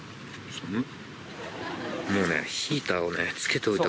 もうねヒーターをねつけておいたから。